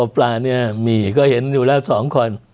ปลาก็เห็นอยู่แล้ว๒คน